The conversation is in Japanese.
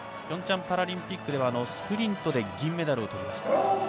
ピョンチャンパラリンピックではスプリントで銀メダルをとりました。